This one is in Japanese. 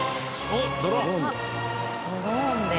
あっドローンで。